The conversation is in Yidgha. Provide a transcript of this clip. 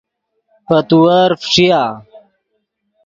پے تیور فݯیا